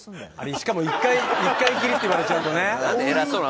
しかも１回きりって言われちゃうとね。